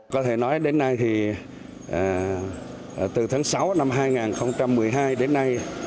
có thể nói đến nay thì từ tháng sáu năm hai nghìn một mươi hai đến nay